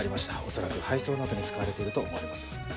恐らく配送などに使われていると思われます。